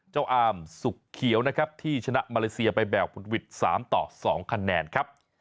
อามสุกเขียวนะครับที่ชนะมาเลเซียไปแบบหุดหวิด๓ต่อ๒คะแนนครับ